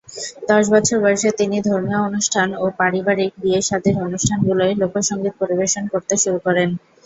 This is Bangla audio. দশ বছর বয়সে তিনি ধর্মীয় অনুষ্ঠান ও পারিবারিক বিয়ে-শাদীর অনুষ্ঠানগুলোয় লোকসঙ্গীত পরিবেশন করতে শুরু করেন।